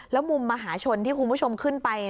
แล้วมุมมหาชนที่คุณผู้ชมขึ้นไป